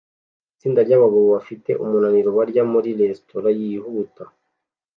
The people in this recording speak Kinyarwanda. Itsinda ryabagabo bafite umunaniro barya muri resitora yihuta